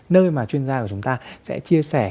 nơi mà chuyên gia của chúng ta sẽ chia sẻ